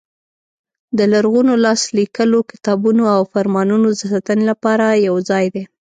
د لرغونو لاس لیکلو کتابونو او فرمانونو د ساتنې لپاره یو ځای دی.